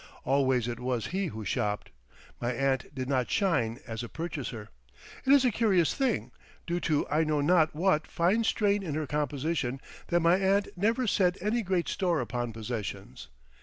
Always it was he who shopped. My aunt did not shine as a purchaser. It is a curious thing, due to I know not what fine strain in her composition, that my aunt never set any great store upon possessions.